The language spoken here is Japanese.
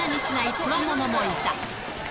つわものもいた。